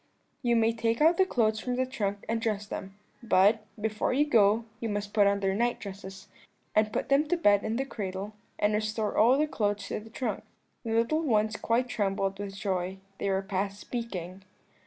"'You may take out the clothes from the trunk and dress them; but, before you go, you must put on their night dresses, and put them to bed in the cradle, and restore all the other clothes to the trunk.' The little ones quite trembled with joy; they were past speaking.